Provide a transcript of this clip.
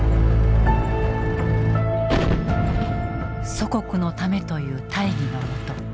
「祖国のため」という大義のもと